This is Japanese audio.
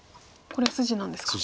これは筋なんですか。